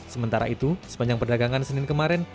sementara itu sepanjang perdagangan senin kemarin